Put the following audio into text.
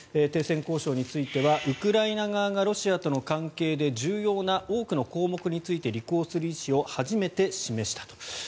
停戦交渉についてはウクライナ側がロシアとの関係で重要な多くの項目について履行する意思を初めて示したと。